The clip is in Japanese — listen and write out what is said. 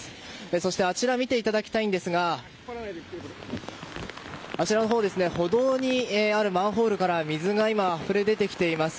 そしてあちらを見ていただくとあちらのほう歩道にあるマンホールから水が今、あふれ出ています。